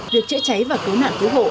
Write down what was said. việc chữa cháy và cứu nạn cứu hộ